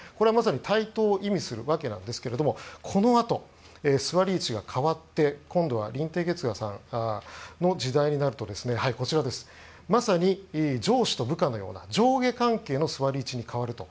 対等を意味するわけなんですけどこのあと、座り位置が変わって今度はリンテイ・ゲツガさんの時期になると上司と部下のような上下関係の位置に変わると。